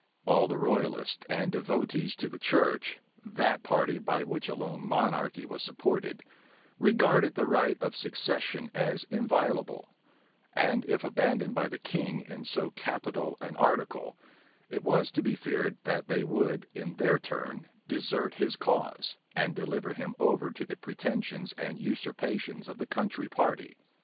All the royalists and the devotees to the church, that party by which alone monarchy was supported, regarded the right of succession as inviolable; and if abandoned by the king in so capital an article, it was to be feared that they would, in their turn, desert his cause, and deliver him over to the pretensions and usurpations of the country party.